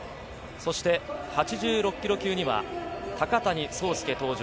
８６ｋｇ級には高谷惣亮登場。